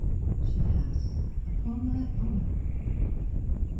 193 ' She has, upon my honour.'